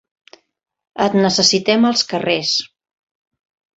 Et necessitem als carrers.